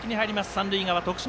三塁側徳島